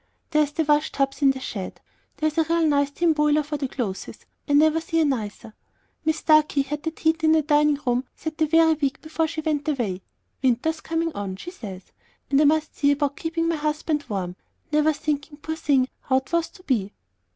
Here's the washtubs in the shed. That's a real nice tin boiler for the clothes, I never see a nicer. Mis Starkey had that heater in the dining room set the very week before she went away. 'Winter's coming on,' she says, 'and I must see about keeping my husband warm;' never thinking, poor thing, how 't was to be."